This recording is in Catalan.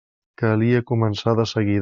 Calia començar de seguida.